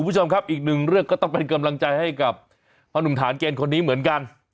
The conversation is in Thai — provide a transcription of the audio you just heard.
คุณผู้ชมครับอีกหนึ่งเรื่องก็ต้องเป็นกำลังใจให้กับพ่อหนุ่มฐานเกณฑ์คนนี้เหมือนกัน